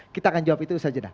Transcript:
kita akan jawab itu saja dah